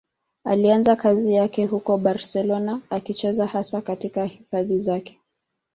Alianza kazi yake huko Barcelona, akicheza hasa katika hifadhi zake.